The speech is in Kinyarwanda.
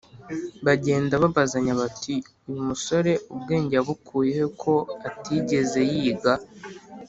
Bagenda babazanya bati, Uyu musore ubwenge yabukuye he, ko atigeze yiga